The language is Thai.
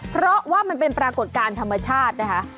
เพราะว่ามันเป็นปรากฏการณ์ธรรมชาตินะคะ